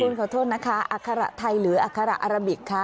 คุณขอโทษนะคะอัคระไทยหรืออัคระอาราบิกค่ะ